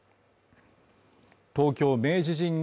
東京・明治神宮